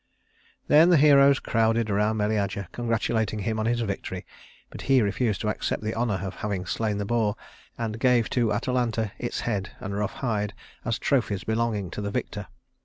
Then the heroes crowded around Meleager, congratulating him on his victory; but he refused to accept the honor of having slain the boar, and gave to Atalanta its head and rough hide as trophies belonging to the victor.